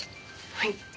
はい。